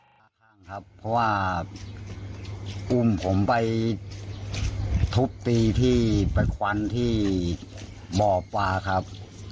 เพราะว่าอุ้มผมไปทุบปีที่ปะควันที่บ่อปลาครับ